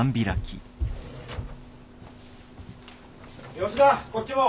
吉田こっちも。